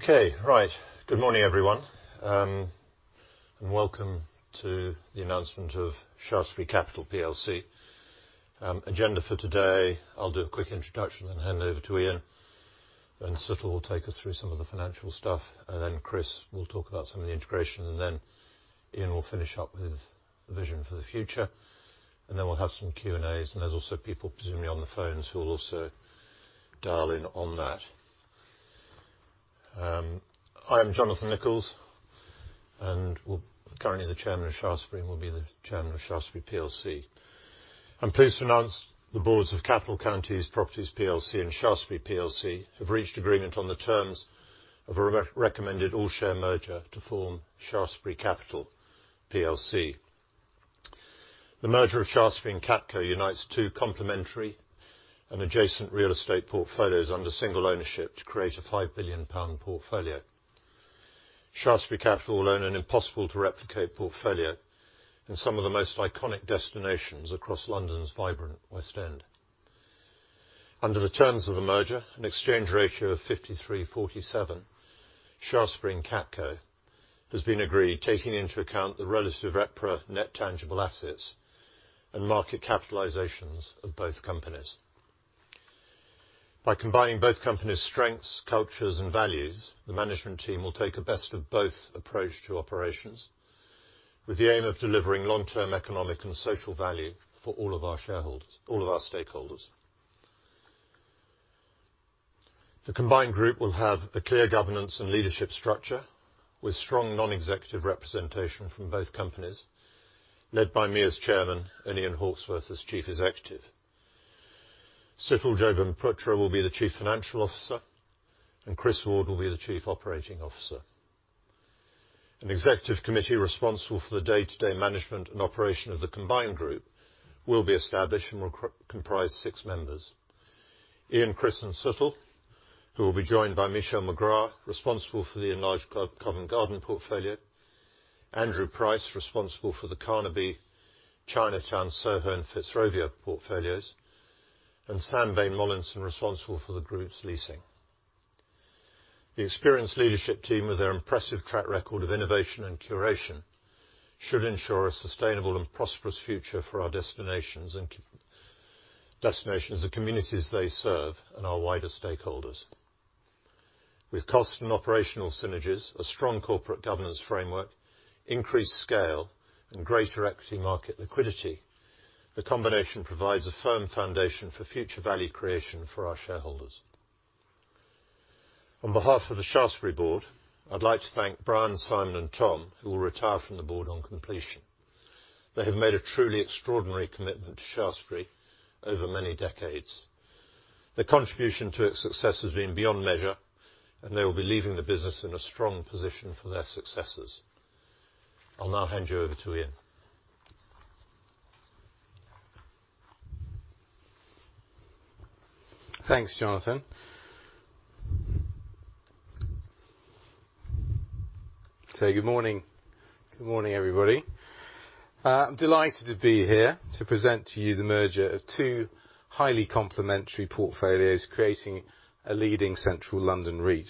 Okay. Right. Good morning, everyone, and welcome to the announcement of Shaftesbury Capital PLC. Agenda for today, I'll do a quick introduction and hand over to Ian, then Situl will take us through some of the financial stuff, and then Chris will talk about some of the integration, and then Ian will finish up with vision for the future. We'll have some Q&As, and there's also people presumably on the phones who will also dial in on that. I'm Jonathan Nicholls, and currently the Chairman of Shaftesbury and will be the Chairman of Shaftesbury PLC. I'm pleased to announce the boards of Capital & Counties Properties PLC and Shaftesbury PLC have reached agreement on the terms of a recommended all-share merger to form Shaftesbury Capital PLC. The merger of Shaftesbury and CapCo unites two complementary and adjacent real estate portfolios under single ownership to create a 5 billion pound portfolio. Shaftesbury Capital will own an impossible to replicate portfolio in some of the most iconic destinations across London's vibrant West End. Under the terms of the merger, an exchange ratio of 53/47, Shaftesbury and CapCo has been agreed, taking into account the relative EPRA net tangible assets and market capitalizations of both companies. By combining both companies' strengths, cultures and values, the management team will take a best of both approach to operations, with the aim of delivering long-term economic and social value for all of our shareholders, all of our stakeholders. The combined group will have a clear governance and leadership structure with strong non-executive representation from both companies, led by me as Chairman and Ian Hawksworth as Chief Executive. Situl Jobanputra will be the Chief Financial Officer, and Chris Ward will be the Chief Operating Officer. An Executive Committee responsible for the day-to-day management and operation of the combined group will be established and will comprise six members. Ian Hawksworth, Chris, and Situl, who will be joined by Michelle McGrath, responsible for the enlarged Covent Garden portfolio, Andrew Price, responsible for the Carnaby, Chinatown, Soho and Fitzrovia portfolios, and Sam Bain-Mollison, responsible for the group's leasing. The experienced leadership team, with their impressive track record of innovation and curation, should ensure a sustainable and prosperous future for our destinations, the communities they serve, and our wider stakeholders. With cost and operational synergies, a strong corporate governance framework, increased scale and greater equity market liquidity, the combination provides a firm foundation for future value creation for our shareholders. On behalf of the Shaftesbury board, I'd like to thank Brian, Simon, and Tom, who will retire from the board on completion. They have made a truly extraordinary commitment to Shaftesbury over many decades. Their contribution to its success has been beyond measure, and they will be leaving the business in a strong position for their successors. I'll now hand you over to Ian. Thanks, Jonathan. Good morning. Good morning, everybody. I'm delighted to be here to present to you the merger of two highly complementary portfolios, creating a leading Central London REIT.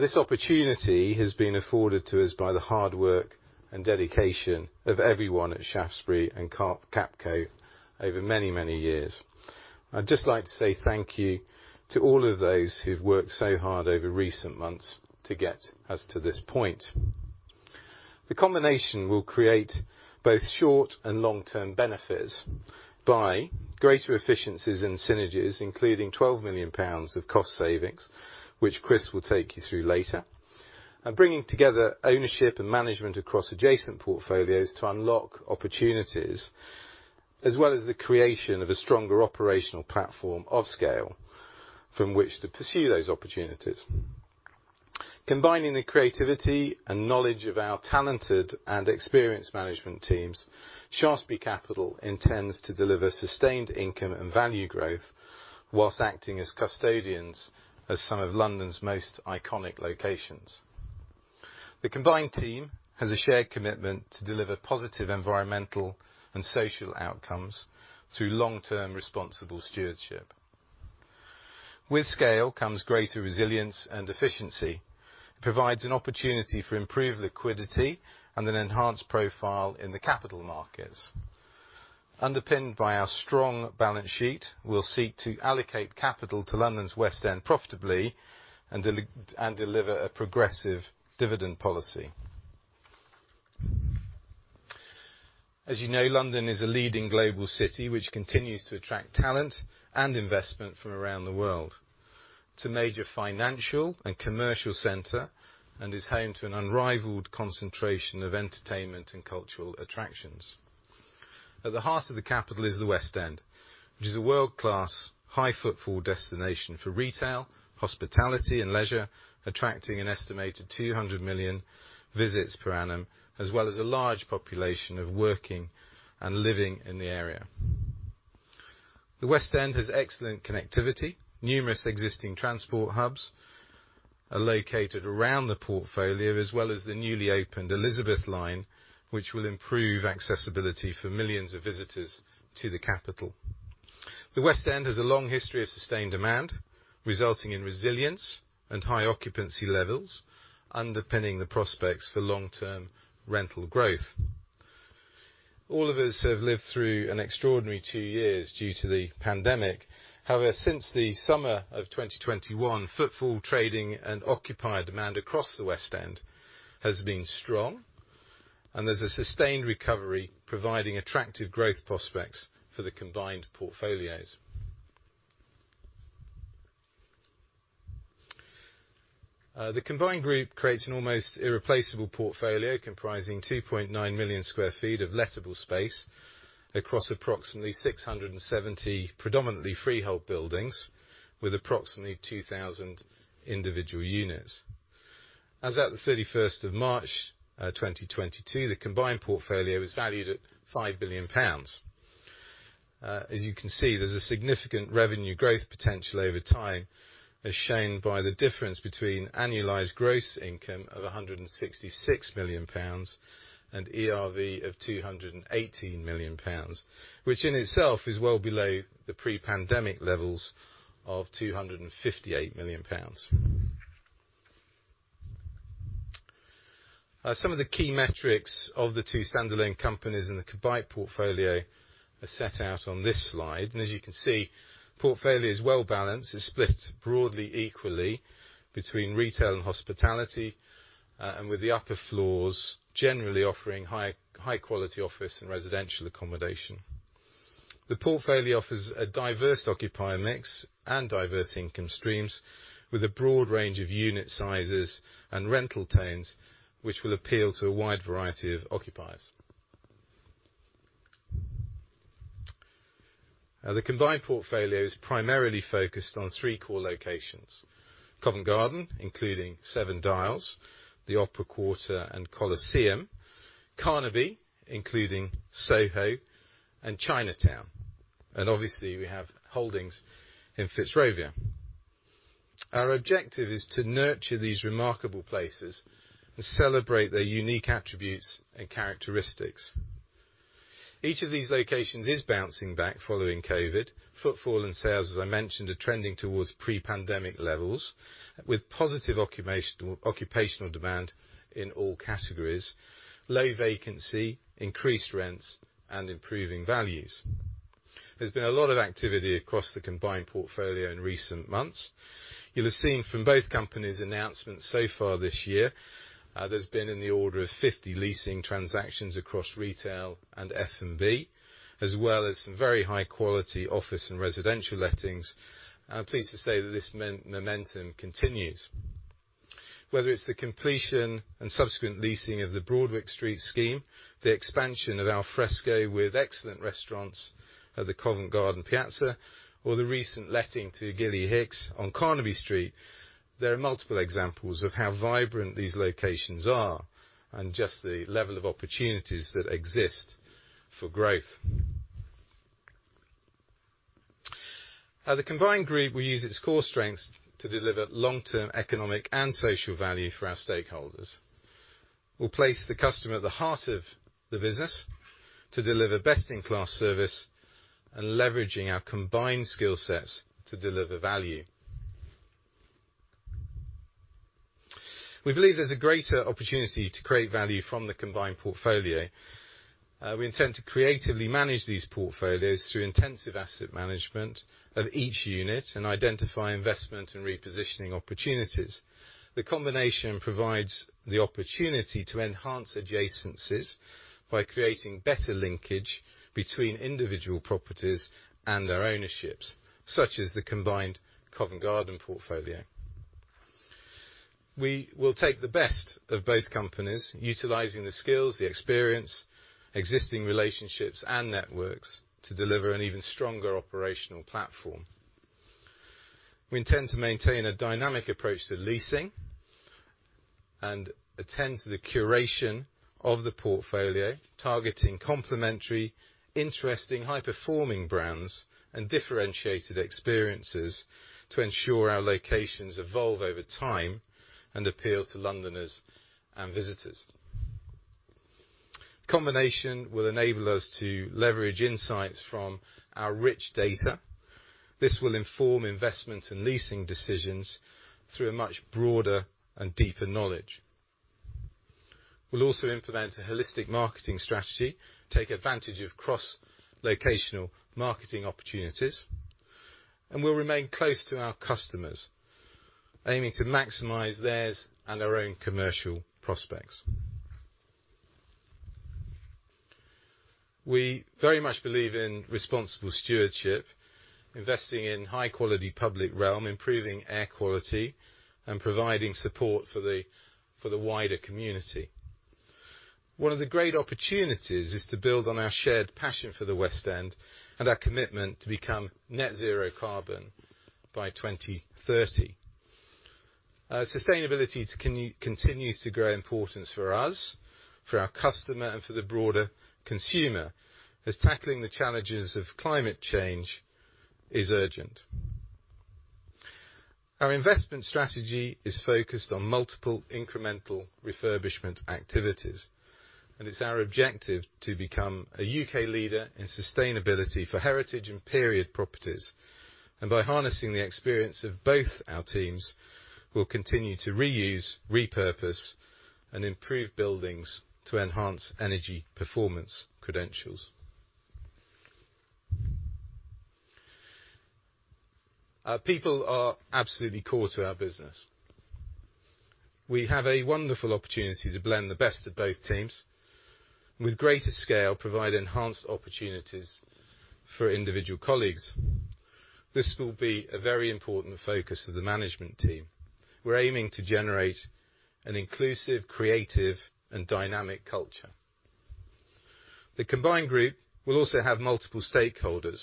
This opportunity has been afforded to us by the hard work and dedication of everyone at Shaftesbury and CapCo over many, many years. I'd just like to say thank you to all of those who've worked so hard over recent months to get us to this point. The combination will create both short and long-term benefits by greater efficiencies and synergies, including 12 million pounds of cost savings, which Chris will take you through later, and bringing together ownership and management across adjacent portfolios to unlock opportunities, as well as the creation of a stronger operational platform of scale from which to pursue those opportunities. Combining the creativity and knowledge of our talented and experienced management teams, Shaftesbury Capital intends to deliver sustained income and value growth while acting as custodians of some of London's most iconic locations. The combined team has a shared commitment to deliver positive environmental and social outcomes through long-term responsible stewardship. With scale comes greater resilience and efficiency. It provides an opportunity for improved liquidity and an enhanced profile in the capital markets. Underpinned by our strong balance sheet, we'll seek to allocate capital to London's West End profitably and deliver a progressive dividend policy. As you know, London is a leading global city which continues to attract talent and investment from around the world. It's a major financial and commercial center and is home to an unrivaled concentration of entertainment and cultural attractions. At the heart of the capital is the West End, which is a world-class high-footfall destination for retail, hospitality and leisure, attracting an estimated 200 million visits per annum, as well as a large population of working and living in the area. The West End has excellent connectivity. Numerous existing transport hubs are located around the portfolio, as well as the newly opened Elizabeth Line, which will improve accessibility for millions of visitors to the capital. The West End has a long history of sustained demand, resulting in resilience and high occupancy levels, underpinning the prospects for long-term rental growth. All of us have lived through an extraordinary two years due to the pandemic. However, since the summer of 2021, footfall, trading and occupier demand across the West End has been strong and there's a sustained recovery, providing attractive growth prospects for the combined portfolios. The combined group creates an almost irreplaceable portfolio comprising 2.9 million sq ft of lettable space across approximately 670 predominantly freehold buildings with approximately 2,000 individual units. As at 31st of March 2022, the combined portfolio is valued at 5 billion pounds. As you can see, there's a significant revenue growth potential over time, as shown by the difference between annualized gross income of 166 million pounds and ERV of 218 million pounds, which in itself is well below the pre-pandemic levels of 258 million pounds. Some of the key metrics of the two standalone companies in the combined portfolio are set out on this slide. As you can see, portfolio is well-balanced. It's split broadly equally between retail and hospitality, and with the upper floors generally offering high quality office and residential accommodation. The portfolio offers a diverse occupier mix and diverse income streams with a broad range of unit sizes and rental tenures, which will appeal to a wide variety of occupiers. The combined portfolio is primarily focused on three core locations, Covent Garden, including Seven Dials, the Opera Quarter and Coliseum, Carnaby, including Soho and Chinatown, and obviously we have holdings in Fitzrovia. Our objective is to nurture these remarkable places and celebrate their unique attributes and characteristics. Each of these locations is bouncing back following COVID. Footfall and sales, as I mentioned, are trending towards pre-pandemic levels with positive occupational demand in all categories, low vacancy, increased rents, and improving values. There's been a lot of activity across the combined portfolio in recent months. You'll have seen from both companies announcements so far this year, there's been in the order of 50 leasing transactions across retail and F&B, as well as some very high-quality office and residential lettings. I'm pleased to say that this momentum continues. Whether it's the completion and subsequent leasing of the Broadwick Street scheme, the expansion of al fresco with excellent restaurants at the Covent Garden Piazza or the recent letting to Gilly Hicks on Carnaby Street, there are multiple examples of how vibrant these locations are and just the level of opportunities that exist for growth. At the combined group, we use its core strengths to deliver long-term economic and social value for our stakeholders. We'll place the customer at the heart of the business to deliver best-in-class service and leveraging our combined skill sets to deliver value. We believe there's a greater opportunity to create value from the combined portfolio. We intend to creatively manage these portfolios through intensive asset management of each unit and identify investment and repositioning opportunities. The combination provides the opportunity to enhance adjacencies by creating better linkage between individual properties and their ownerships, such as the combined Covent Garden portfolio. We will take the best of both companies, utilizing the skills, the experience, existing relationships, and networks to deliver an even stronger operational platform. We intend to maintain a dynamic approach to leasing and attend to the curation of the portfolio, targeting complementary, interesting, high-performing brands and differentiated experiences to ensure our locations evolve over time and appeal to Londoners and visitors. Combination will enable us to leverage insights from our rich data. This will inform investment and leasing decisions through a much broader and deeper knowledge. We'll also implement a holistic marketing strategy, take advantage of cross-locational marketing opportunities, and we'll remain close to our customers, aiming to maximize theirs and our own commercial prospects. We very much believe in responsible stewardship, investing in high-quality public realm, improving air quality, and providing support for the wider community. One of the great opportunities is to build on our shared passion for the West End and our commitment to become net zero carbon by 2030. Sustainability continues to grow in importance for us, for our customer, and for the broader consumer, as tackling the challenges of climate change is urgent. Our investment strategy is focused on multiple incremental refurbishment activities, and it's our objective to become a U.K. leader in sustainability for heritage and period properties. By harnessing the experience of both our teams, we'll continue to reuse, repurpose, and improve buildings to enhance energy performance credentials. Our people are absolutely core to our business. We have a wonderful opportunity to blend the best of both teams with greater scale, provide enhanced opportunities for individual colleagues. This will be a very important focus of the management team. We're aiming to generate an inclusive, creative, and dynamic culture. The combined group will also have multiple stakeholders,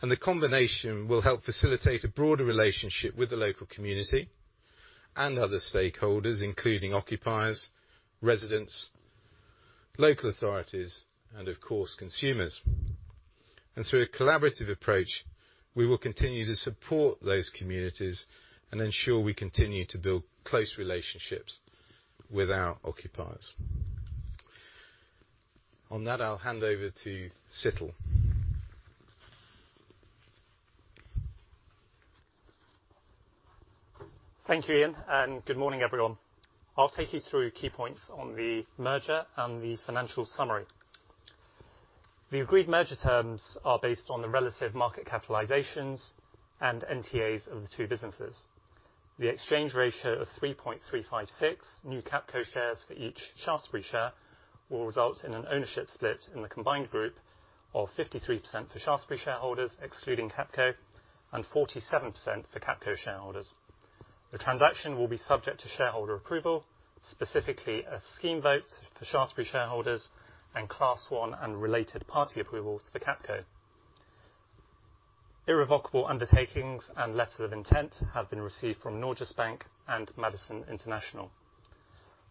and the combination will help facilitate a broader relationship with the local community and other stakeholders, including occupiers, residents, local authorities, and of course, consumers. Through a collaborative approach, we will continue to support those communities and ensure we continue to build close relationships with our occupiers. On that, I'll hand over to Situl. Thank you, Ian, and good morning, everyone. I'll take you through key points on the merger and the financial summary. The agreed merger terms are based on the relative market capitalizations and NTAs of the two businesses. The exchange ratio of 3.356 new CapCo shares for each Shaftesbury share will result in an ownership split in the combined group of 53% for Shaftesbury shareholders, excluding CapCo, and 47% for CapCo shareholders. The transaction will be subject to shareholder approval, specifically a scheme vote for Shaftesbury shareholders and Class 1 and related party approvals for CapCo. Irrevocable undertakings and letter of intent have been received from Norges Bank and Madison International.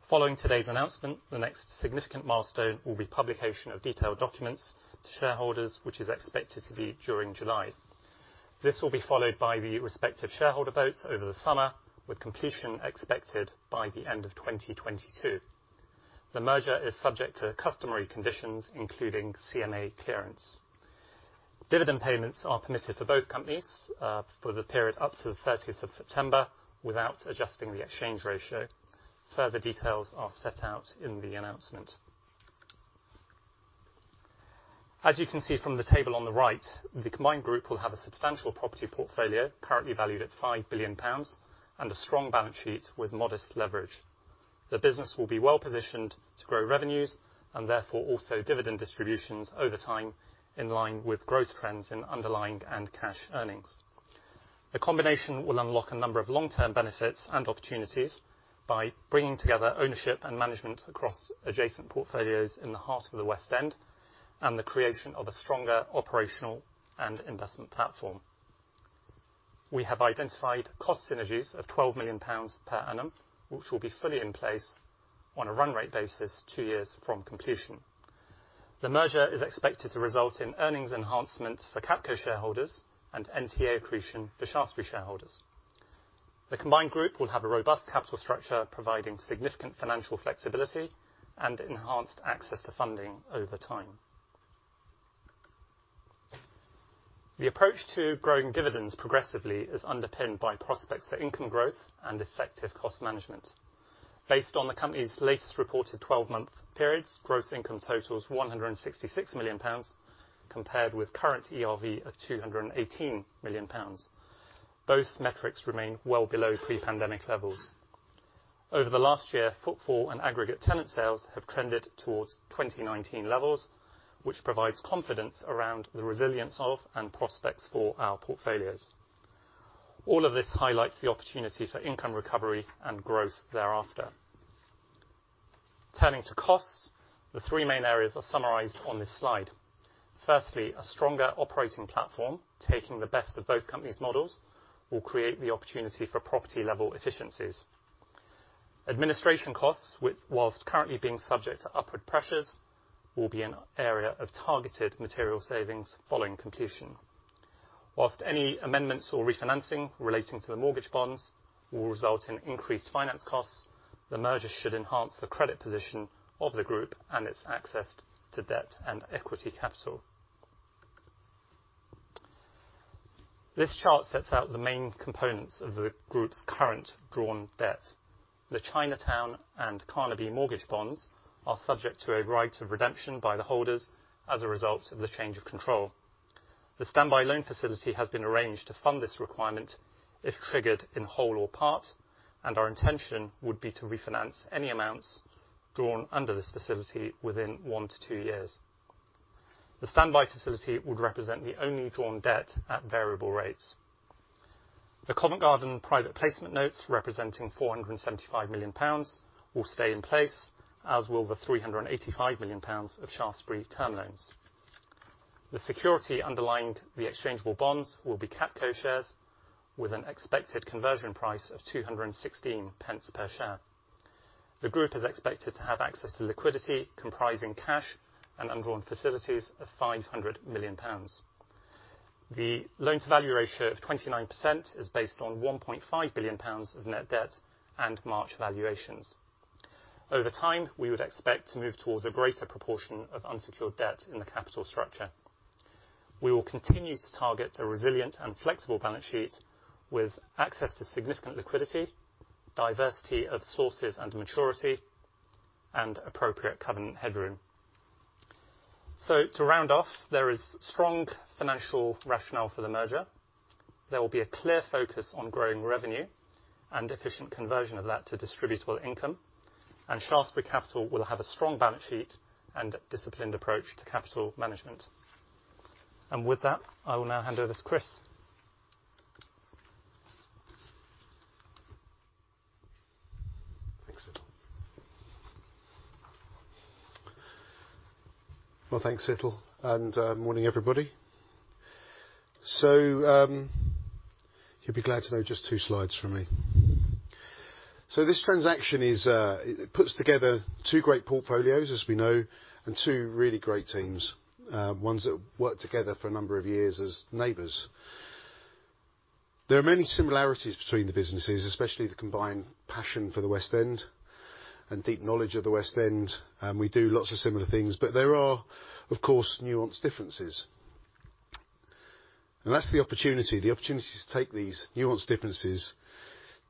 Following today's announcement, the next significant milestone will be publication of detailed documents to shareholders, which is expected to be during July. This will be followed by the respective shareholder votes over the summer, with completion expected by the end of 2022. The merger is subject to customary conditions, including CMA clearance. Dividend payments are permitted for both companies for the period up to the 30th of September without adjusting the exchange ratio. Further details are set out in the announcement. As you can see from the table on the right, the combined group will have a substantial property portfolio currently valued at 5 billion pounds and a strong balance sheet with modest leverage. The business will be well-positioned to grow revenues and therefore also dividend distributions over time in line with growth trends in underlying and cash earnings. The combination will unlock a number of long-term benefits and opportunities by bringing together ownership and management across adjacent portfolios in the heart of the West End and the creation of a stronger operational and investment platform. We have identified cost synergies of 12 million pounds per annum, which will be fully in place on a run-rate basis two years from completion. The merger is expected to result in earnings enhancements for CapCo shareholders and NTA accretion for Shaftesbury shareholders. The combined group will have a robust capital structure, providing significant financial flexibility and enhanced access to funding over time. The approach to growing dividends progressively is underpinned by prospects for income growth and effective cost management. Based on the company's latest reported 12-month periods, gross income totals 166 million pounds, compared with current ERV of 218 million pounds. Both metrics remain well below pre-pandemic levels. Over the last year, footfall and aggregate tenant sales have trended towards 2019 levels, which provides confidence around the resilience of and prospects for our portfolios. All of this highlights the opportunity for income recovery and growth thereafter. Turning to costs, the three main areas are summarized on this slide. Firstly, a stronger operating platform, taking the best of both companies' models, will create the opportunity for property-level efficiencies. Administration costs, whilst currently being subject to upward pressures, will be an area of targeted material savings following completion. Whilst any amendments or refinancing relating to the mortgage bonds will result in increased finance costs, the merger should enhance the credit position of the group and its access to debt and equity capital. This chart sets out the main components of the group's current drawn debt. The Chinatown and Carnaby mortgage bonds are subject to a right of redemption by the holders as a result of the change of control. The standby loan facility has been arranged to fund this requirement if triggered in whole or part, and our intention would be to refinance any amounts drawn under this facility within one to two years. The standby facility would represent the only drawn debt at variable rates. The Covent Garden private placement notes, representing 475 million pounds, will stay in place, as will the 385 million pounds of Shaftesbury term loans. The security underlying the exchangeable bonds will be CapCo shares with an expected conversion price of 2.16 per share. The group is expected to have access to liquidity comprising cash and undrawn facilities of 500 million pounds. The loan-to-value ratio of 29% is based on 1.5 billion pounds of net debt and March valuations. Over time, we would expect to move towards a greater proportion of unsecured debt in the capital structure. We will continue to target a resilient and flexible balance sheet with access to significant liquidity, diversity of sources and maturity, and appropriate covenant headroom. To round off, there is strong financial rationale for the merger. There will be a clear focus on growing revenue and efficient conversion of that to distributable income. Shaftesbury Capital will have a strong balance sheet and a disciplined approach to capital management. With that, I will now hand over to Chris. Thanks, Situl. Well, morning everybody. You'll be glad to know just two slides from me. This transaction is, it puts together two great portfolios, as we know, and two really great teams, ones that worked together for a number of years as neighbors. There are many similarities between the businesses, especially the combined passion for the West End and deep knowledge of the West End, and we do lots of similar things. There are, of course, nuanced differences. That's the opportunity, the opportunity to take these nuanced differences,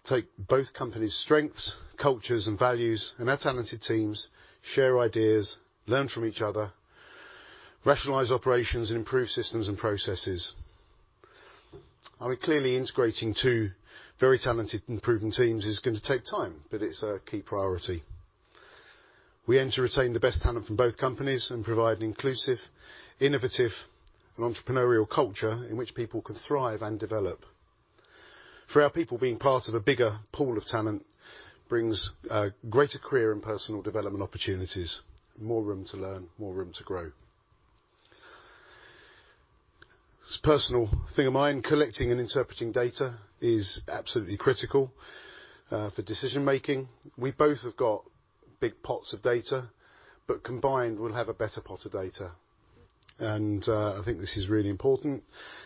take both companies' strengths, cultures and values, and our talented teams, share ideas, learn from each other, rationalize operations, and improve systems and processes. I mean, clearly integrating two very talented and proven teams is gonna take time, but it's a key priority. We aim to retain the best talent from both companies and provide an inclusive, innovative and entrepreneurial culture in which people can thrive and develop. For our people, being part of a bigger pool of talent brings greater career and personal development opportunities, more room to learn, more room to grow. It's a personal thing of mine, collecting and interpreting data is absolutely critical for decision-making. We both have got big pots of data, but combined, we'll have a better pot of data. I think this is really important,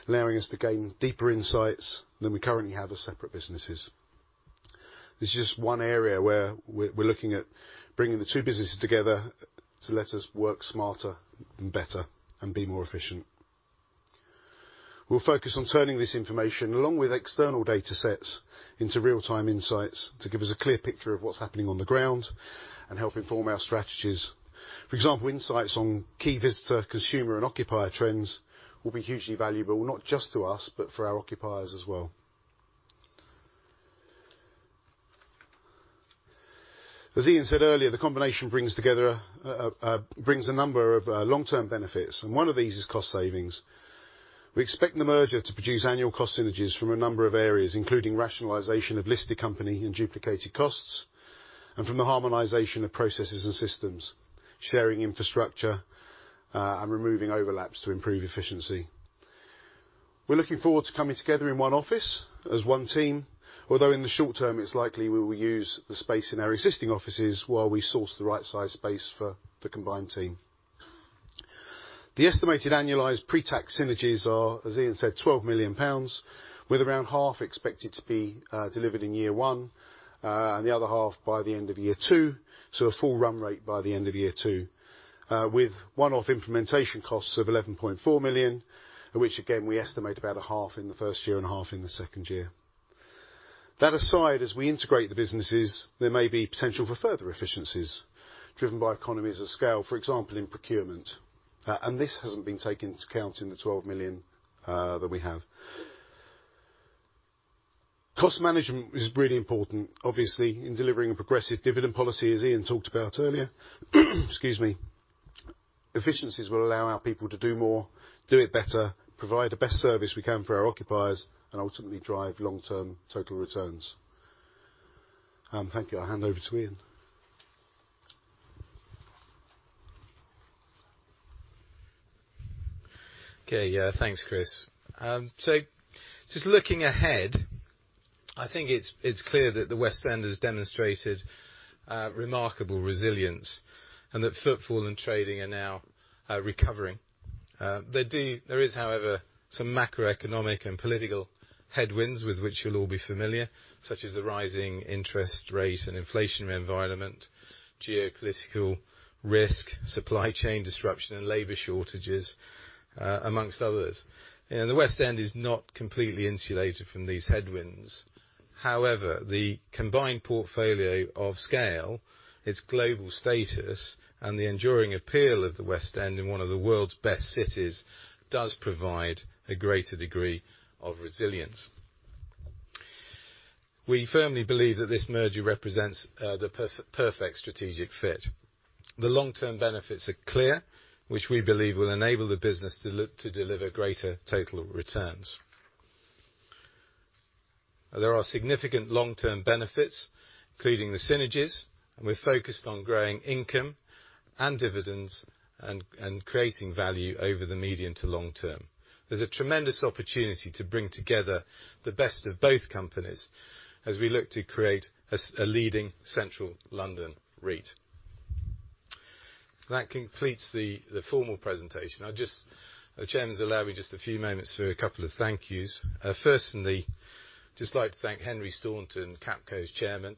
allowing us to gain deeper insights than we currently have as separate businesses. This is just one area where we're looking at bringing the two businesses together to let us work smarter and better and be more efficient. We'll focus on turning this information, along with external data sets, into real-time insights to give us a clear picture of what's happening on the ground and help inform our strategies. For example, insights on key visitor, consumer and occupier trends will be hugely valuable, not just to us, but for our occupiers as well. As Ian said earlier, the combination brings together a number of long-term benefits, and one of these is cost savings. We expect the merger to produce annual cost synergies from a number of areas, including rationalization of listed company and duplicated costs, and from the harmonization of processes and systems, sharing infrastructure, and removing overlaps to improve efficiency. We're looking forward to coming together in one office as one team, although in the short term it's likely we will use the space in our existing offices while we source the right size space for the combined team. The estimated annualized pre-tax synergies are, as Ian said, 12 million pounds, with around half expected to be delivered in year one, and the other half by the end of year two, so a full run rate by the end of year two. With one-off implementation costs of 11.4 million, which again, we estimate about a half in the first year and a half in the second year. That aside, as we integrate the businesses, there may be potential for further efficiencies driven by economies of scale, for example, in procurement. This hasn't been taken into account in the 12 million that we have. Cost management is really important, obviously, in delivering a progressive dividend policy, as Ian talked about earlier. Efficiencies will allow our people to do more, do it better, provide the best service we can for our occupiers, and ultimately drive long-term total returns. Thank you. I'll hand over to Ian. Okay, yeah. Thanks, Chris. So just looking ahead, I think it's clear that the West End has demonstrated remarkable resilience and that footfall and trading are now recovering. There is, however, some macroeconomic and political headwinds with which you'll all be familiar, such as the rising interest rate and inflation environment, geopolitical risk, supply chain disruption, and labor shortages, among others. The West End is not completely insulated from these headwinds. However, the combined portfolio of scale, its global status, and the enduring appeal of the West End in one of the world's best cities does provide a greater degree of resilience. We firmly believe that this merger represents the perfect strategic fit. The long-term benefits are clear, which we believe will enable the business to look to deliver greater total returns. There are significant long-term benefits, including the synergies, and we're focused on growing income and dividends and creating value over the medium to long term. There's a tremendous opportunity to bring together the best of both companies as we look to create a leading central London REIT. That completes the formal presentation. The Chairman’s allowed me just a few moments for a couple of thank yous. Firstly, just like to thank Henry Staunton, CapCo's Chairman,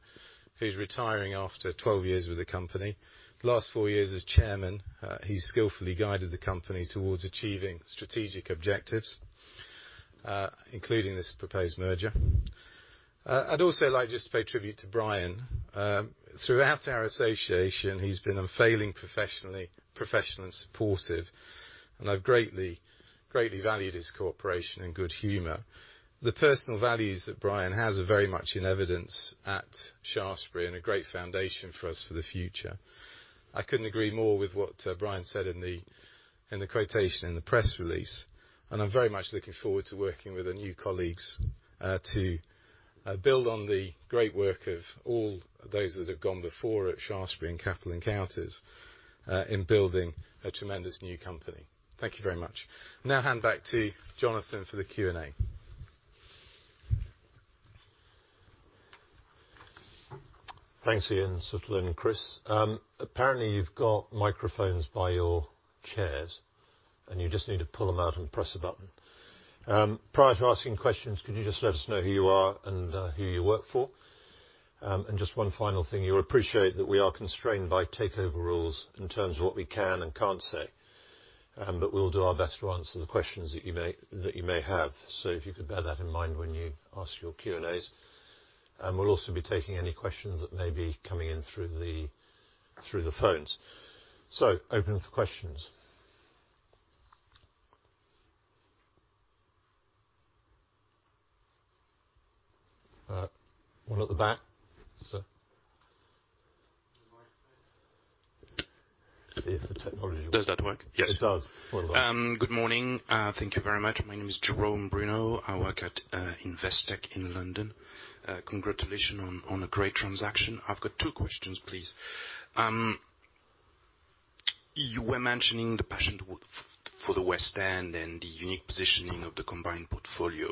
who's retiring after 12 years with the company. The last four years as Chairman, he skillfully guided the company towards achieving strategic objectives, including this proposed merger. I'd also like just to pay tribute to Brian. Throughout our association, he's been unfailingly professional and supportive, and I've greatly valued his cooperation and good humor. The personal values that Brian has are very much in evidence at Shaftesbury and a great foundation for us for the future. I couldn't agree more with what Brian said in the quotation in the press release, and I'm very much looking forward to working with the new colleagues to build on the great work of all those that have gone before at Shaftesbury and Capital & Counties in building a tremendous new company. Thank you very much. Now hand back to Jonathan for the Q&A. Thanks, Ian, Situl and Chris. Apparently you've got microphones by your chairs, and you just need to pull 'em out and press a button. Prior to asking questions, could you just let us know who you are and who you work for? Just one final thing, you'll appreciate that we are constrained by takeover rules in terms of what we can and can't say. We'll do our best to answer the questions that you may have. If you could bear that in mind when you ask your Q&As. We'll also be taking any questions that may be coming in through the phones. Opening for questions. One at the back, sir. The microphone. See if the technology- Does that work? Yes. It does. Well done. Good morning. Thank you very much. My name is Jerome Murray. I work at Investec in London. Congratulations on a great transaction. I've got two questions, please. You were mentioning the passion for the West End and the unique positioning of the combined portfolio.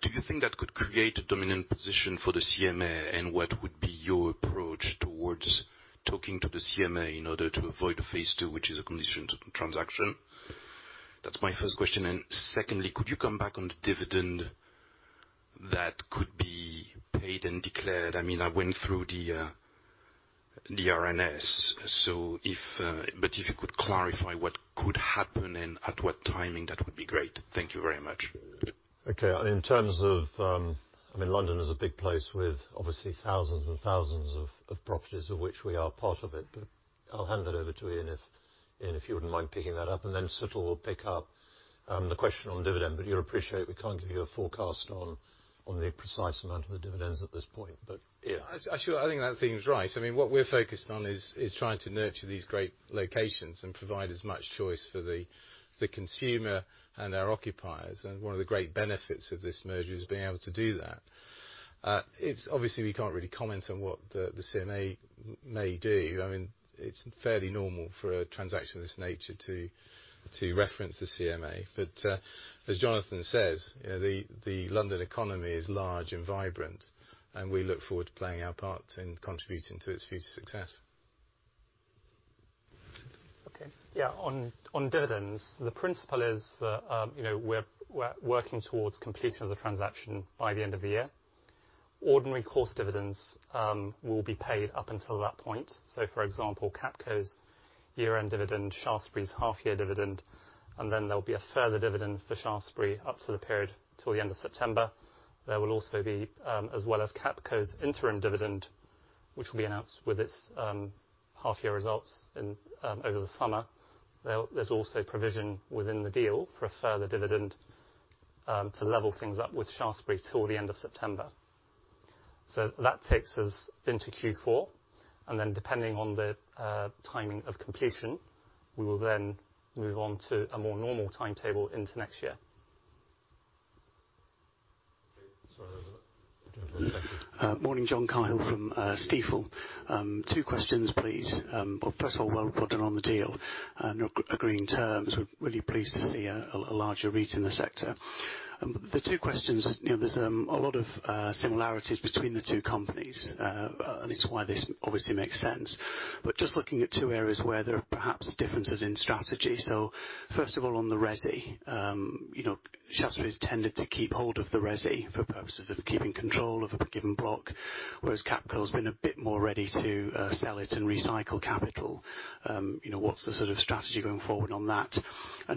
Do you think that could create a dominant position for the CMA? And what would be your approach towards talking to the CMA in order to avoid a phase 2, which is a condition to the transaction? That's my first question. And secondly, could you come back on the dividend that could be paid and declared? I mean, I went through the RNS. But if you could clarify what could happen and at what timing, that would be great. Thank you very much. Okay. In terms of, I mean, London is a big place with obviously thousands and thousands of properties of which we are part of it. I'll hand it over to Ian if you wouldn't mind picking that up, and then Situl will pick up the question on dividend. You'll appreciate we can't give you a forecast on the precise amount of the dividends at this point. Ian. Actually, I think that seems right. I mean, what we're focused on is trying to nurture these great locations and provide as much choice for the consumer and our occupiers. One of the great benefits of this merger is being able to do that. It's obviously, we can't really comment on what the CMA may do. I mean, it's fairly normal for a transaction of this nature to reference the CMA. As Jonathan says, the London economy is large and vibrant, and we look forward to playing our part in contributing to its future success. Okay. Yeah, on dividends, the principle is that we're working towards completing the transaction by the end of the year. Ordinary course dividends will be paid up until that point. For example, CapCo's year-end dividend, Shaftesbury's half-year dividend, and then there'll be a further dividend for Shaftesbury up to the period till the end of September. There will also be, as well as CapCo's interim dividend, which will be announced with its half-year results in over the summer. There's also provision within the deal for a further dividend to level things up with Shaftesbury till the end of September. That takes us into Q4, and then depending on the timing of completion, we will then move on to a more normal timetable into next year. Okay. Sorry. Go ahead. Morning, John Cahill from Stifel. Two questions, please. First of all, well done on the deal and agreeing terms. We're really pleased to see a larger REIT in the sector. The two questions. There's a lot of similarities between the two companies, and it's why this obviously makes sense. Just looking at two areas where there are perhaps differences in strategy. First of all, on the resi. You know, Shaftesbury's tended to keep hold of the resi for purposes of keeping control of a given block, whereas Capco's been a bit more ready to sell it and recycle capital. What's the strategy going forward on that?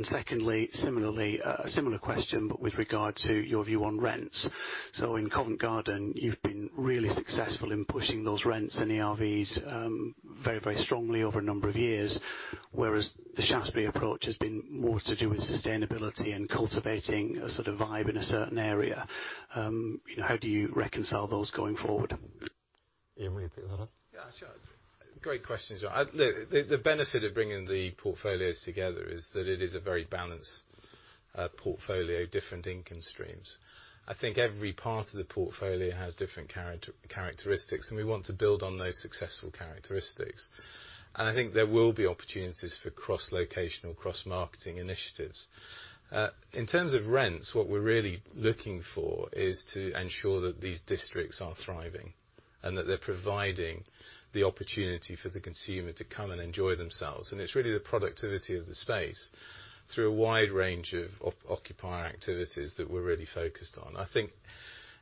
Secondly, similarly, a similar question, but with regard to your view on rents. In Covent Garden, you've been really successful in pushing those rents and ERVs, very, very strongly over a number of years, whereas the Shaftesbury approach has been more to do with sustainability and cultivating a sort of vibe in a certain area. How do you reconcile those going forward? Ian, want you to pick that up. Yeah, sure. Great questions. Look, the benefit of bringing the portfolios together is that it is a very balanced portfolio, different income streams. I think every part of the portfolio has different characteristics, and we want to build on those successful characteristics. I think there will be opportunities for cross-locational, cross-marketing initiatives. In terms of rents, what we're really looking for is to ensure that these districts are thriving and that they're providing the opportunity for the consumer to come and enjoy themselves. It's really the productivity of the space through a wide range of occupier activities that we're really focused on. I think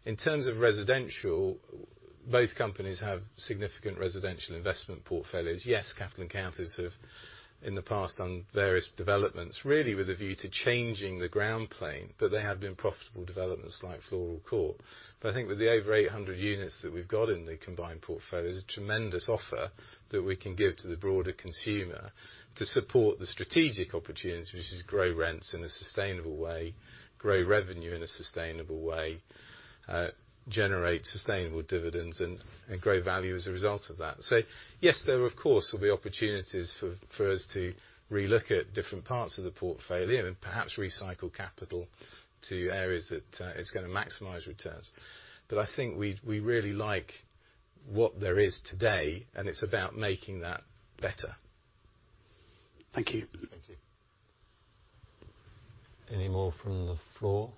in terms of residential, both companies have significant residential investment portfolios. Yes, Capital & Counties have in the past done various developments, really with a view to changing the ground plane, but they have been profitable developments like Floral Court. I think with the over 800 units that we've got in the combined portfolio is a tremendous offer that we can give to the broader consumer to support the strategic opportunities, which is grow rents in a sustainable way, grow revenue in a sustainable way, generate sustainable dividends and grow value as a result of that. Yes, there of course, will be opportunities for us to relook at different parts of the portfolio and perhaps recycle capital to areas that is gonna maximize returns. I think we really like what there is today, and it's about making that better. Thank you. Thank you. Any more from the floor?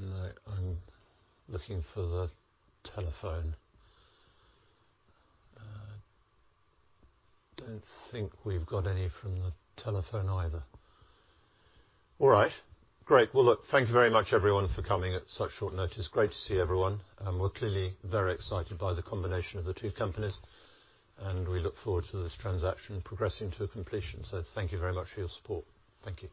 No, I'm looking for the telephone. Don't think we've got any from the telephone either. All right. Great. Well, look, thank you very much everyone for coming at such short notice. Great to see everyone, and we're clearly very excited by the combination of the two companies, and we look forward to this transaction progressing to a completion. Thank you very much for your support. Thank you.